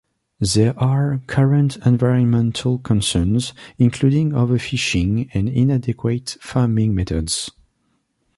There are current environmental concerns, including overfishing and inadequate farming methods.